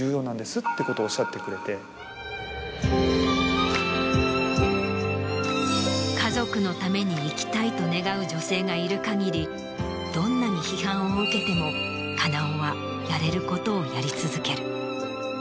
ってことをおっしゃってくれて。と願う女性がいる限りどんなに批判を受けても金尾はやれることをやり続ける。